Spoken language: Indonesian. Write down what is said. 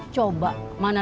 dia bisa maju